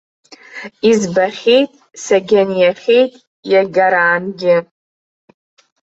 Избахьеит, сагьаниахьеит, иагараангьы.